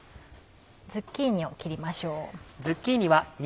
ズッキーニを切りましょう。